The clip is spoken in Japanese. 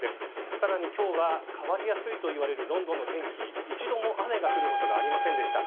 さらに今日は、変わりやすいといわれるロンドンの天気一度も雨が降ることがありませんでした。